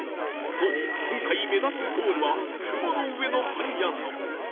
そう今回目指すゴールは雲の上のパン屋さん